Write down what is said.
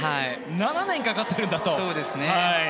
７年かかっているんだと。